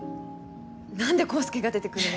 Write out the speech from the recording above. なんで康祐が出てくるの？